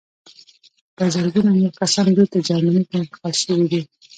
په زرګونه نور کسان بېرته جرمني ته انتقال شوي دي